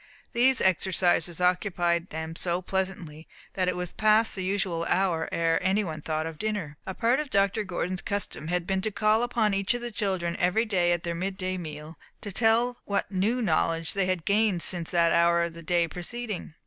These exercises occupied them so pleasantly that it was past the usual hour ere any one thought of dinner. A part of Dr. Gordon's custom had been to call upon each of his children every day at their midday meal, to tell what "new knowledge" they had gained since that hour of the day preceding.